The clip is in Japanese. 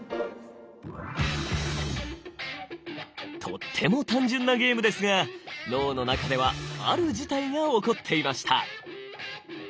とっても単純なゲームですが脳の中ではある事態が起こっていました！